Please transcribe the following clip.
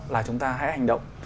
là chúng ta hãy hành động